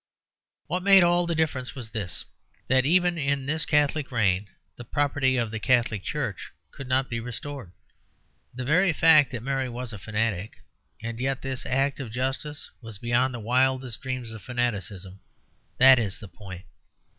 What made all the difference was this: that even in this Catholic reign the property of the Catholic Church could not be restored. The very fact that Mary was a fanatic, and yet this act of justice was beyond the wildest dreams of fanaticism that is the point.